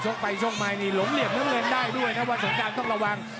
หลงเหลี่ยมน้ำเงินน้ำเงินได้ด้วยนะว่าสงกรานต้องระวัง